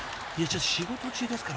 ［仕事中ですから］